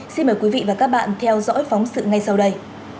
xin mời quý vị và các bạn theo dõi phóng sự ngay sau đây